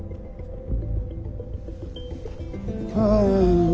ああ。